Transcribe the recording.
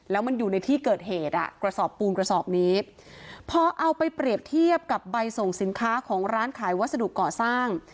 แล้วมันอยู่ในที่เกิดเหตุอ่ะกระสอบปูนกระสอบนี้พอเอาไปเปรียบเทียบกับใบส่งสินค้าของร้านขายวัสดุก่อสร้าง